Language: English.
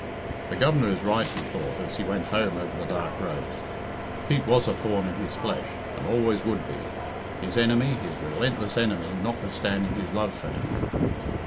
"The Governor is right," he thought, as he went home over the dark roads. Pete was a thorn in his flesh, and always would be; his enemy, his relentless enemy, notwithstanding his love for him.